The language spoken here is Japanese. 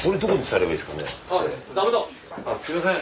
すいません！